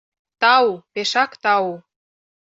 — Тау, пешак тау.